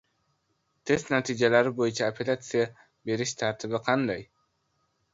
Test natijalari bo‘yicha apellyatsiya berish tartibi qanday?